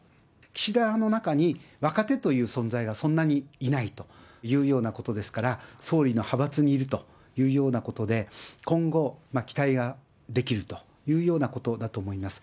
岸田派の中に、若手という存在がそんなにいないというようなことですから、総理の派閥にいるというようなことで、今後期待ができるというようなことだと思います。